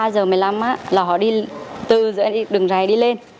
ba giờ một mươi năm là họ đi từ dưới đường rày đi lên